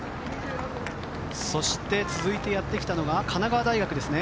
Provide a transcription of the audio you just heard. そして続いてやってきたのは神奈川大学ですね。